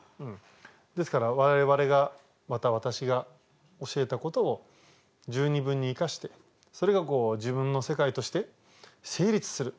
ですから我々がまた私が教えたことを十二分に生かしてそれが自分の世界として成立する。